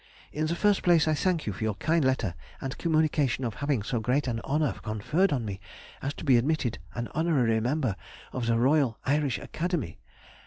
In the first place, I thank you for your kind letter and communication of having so great an honour conferred on me as to be admitted an honorary member of the Royal Irish Academy.